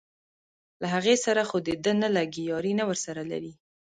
له هغې سره خو دده نه لګي یاري نه ورسره لري.